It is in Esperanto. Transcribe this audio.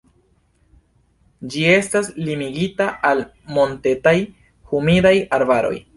Ĝi estas limigita al montetaj humidaj arbaroj.